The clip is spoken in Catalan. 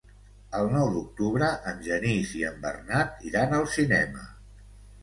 El nou d'octubre en Genís i en Bernat iran al cinema.